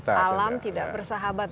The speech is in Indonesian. alam tidak bersahabat